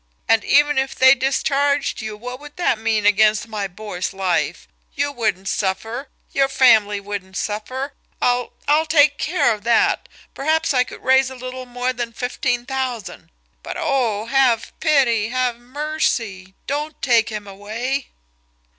And even if they discharged you, what would that mean against my boy's life! You wouldn't suffer, your family wouldn't suffer, I'll I'll take care of that perhaps I could raise a little more than fifteen thousand but, oh, have pity, have mercy don't take him away!"